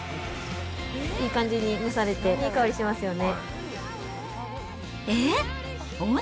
いい感じに蒸されて、いい香りしますよね。